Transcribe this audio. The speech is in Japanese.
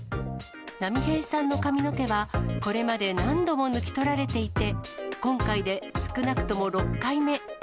波平さんの髪の毛はこれまで何度も抜き取られていて、今回で少なくとも６回目。